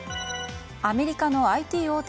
アメリカのＩＴ大手